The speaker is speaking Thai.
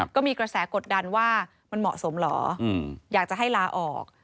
ก็มีกระแสกดดันว่ามันเหมาะสมเหรออยากจะให้ลาออก